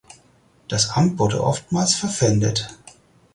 Das Amt wurde oftmals verpfändet.